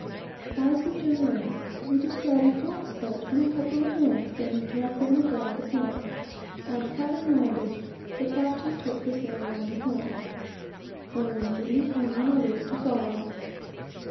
As we drew in, we found an ox cart and a couple of men standing directly on the brow of the hill; and having landed, the captain took his way round the hill, ordering me and one other to follow him.